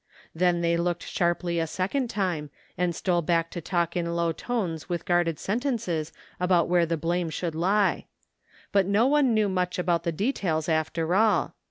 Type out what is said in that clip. Then they looked sharply a second time and stole back to talk in low tones with guarded sentences about where the blame should lie. But no one knew much about the details, after all.